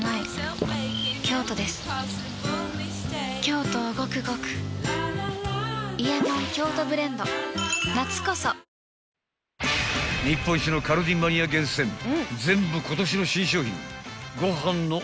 ［日本一のカルディマニア厳選全部今年の新商品］